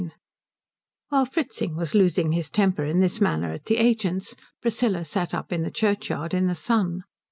VI While Fritzing was losing his temper in this manner at the agent's, Priscilla sat up in the churchyard in the sun.